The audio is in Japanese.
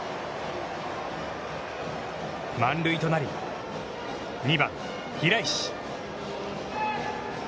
満塁となり、２番平石。